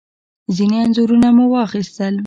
ځینې انځورونه مو واخیستل.